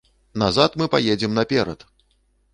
Назад мы паедзем наперад!